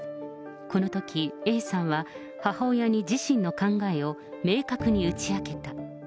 このときＡさんは、母親に自身の考えを明確に打ち明けた。